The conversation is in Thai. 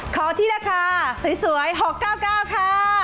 ขอที่ราคาสวย๖๙๙ค่ะ